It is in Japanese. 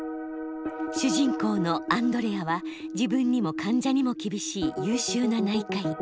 主人公のアンドレアは自分にも患者にも厳しい優秀な内科医。